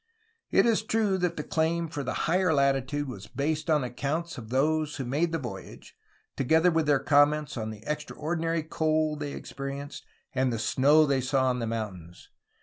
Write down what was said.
It is true that the claim for the higher latitude was based on accounts of those who made the voyage, together with their comments on the extraordinary cold they experienced and the snow they saw on the moun tains.